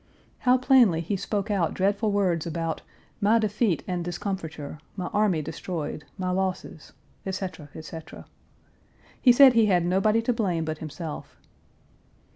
How plainly he spoke out dreadful words about "my defeat and discomfiture; my army destroyed, my losses," etc., etc. He said he had nobody to blame but himself.